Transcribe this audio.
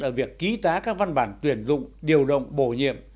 ở việc ký tá các văn bản tuyển dụng điều động bổ nhiệm